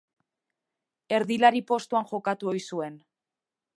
Erdilari postuan jokatu ohi zuen.